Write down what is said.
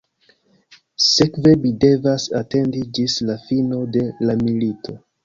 Sekve mi devas atendi ĝis la fino de la milito.